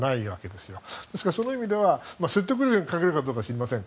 ですからその意味では説得力に欠けるかどうかは知りません。